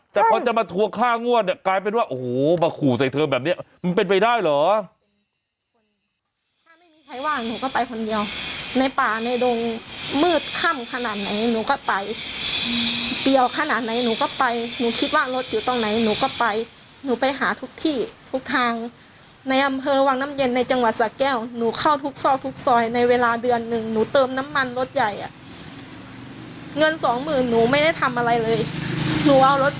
แต่พอจะมาทัวร์ค่างวดเนี่ยกลายเป็นว่าโอ้โหมาขู่ใส่เธอแบบนี้มันเป็นไปได้เหรอ